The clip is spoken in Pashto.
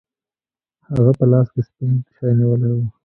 هغه په لاس کې سپین شی نیولی و.